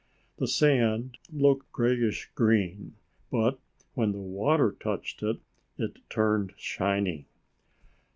The sand looked grayish green, but when the water touched it, it turned shiny.